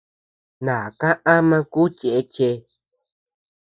Naka ama kú chéche.